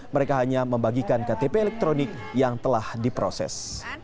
mereka hanya membagikan ktp elektronik yang telah diproses